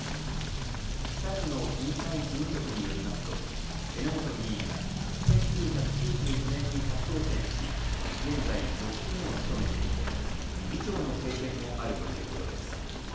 北区の区議会事務局によりますと榎本議員は１９９９年に初当選し、現在６期目を務めていて議長の経験もあるということです。